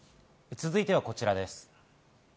続いてはこちらです。